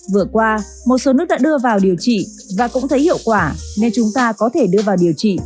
vừa qua một số nước đã đưa vào điều trị và cũng thấy hiệu quả nên chúng ta có thể đưa vào điều trị